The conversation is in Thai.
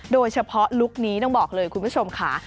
โดยเฉพาะลุคนี้ต้องบอกเลยคุณผู้ชมค่ะ